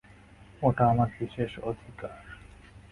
ওটা আমার বিশেষ অধিকার।